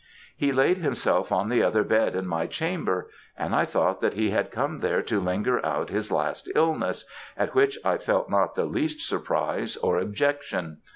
He laid himself on the other bed in my chamber, and I thought that he had come there to linger out his last illness, at which I felt not the least surprise or objection.